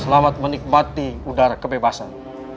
selamat menikmati udara kebebasan